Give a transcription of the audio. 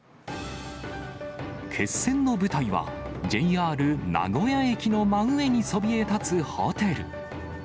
決戦の舞台は、ＪＲ名古屋駅の真上にそびえ立つホテル。